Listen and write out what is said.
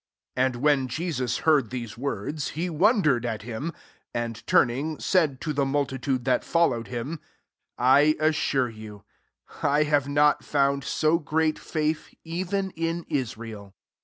9 And when Jesus heard these words, he wondered at him; and turning, said to the multi tude that followed him, " I as sure you, I have not found so great faith, even in Israel."